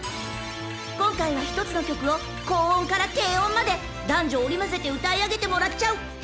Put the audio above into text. ［今回は１つの曲を高音から低音まで男女織り交ぜて歌い上げてもらっちゃう］